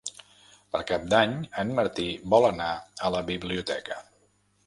Per Cap d'Any en Martí vol anar a la biblioteca.